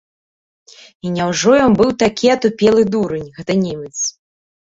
І няўжо ён быў такі атупелы дурань, гэты немец?